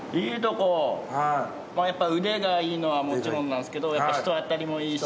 やっぱ腕がいいのはもちろんなんですけど人当たりもいいし